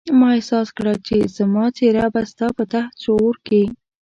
ما احساس کړه چې زما څېره به ستا په تحت الشعور کې.